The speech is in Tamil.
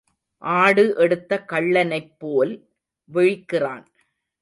ஆடு எடுத்த கள்ளனைப் போல் விழிக்கிறான்.